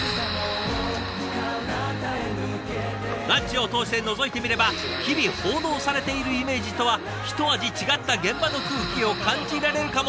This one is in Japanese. ランチを通してのぞいてみれば日々報道されているイメージとはひと味違った現場の空気を感じられるかも。